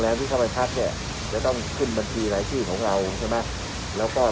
คือเราจะถ้าเราบวชโทษกับแหล่งทุกคนมาคือจะโทษแก้ไม่ได้ถ้าทันหรอกนะ